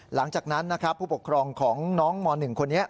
หลังจากนั้นนะครับผู้ปกครองของน้องม๑คนนี้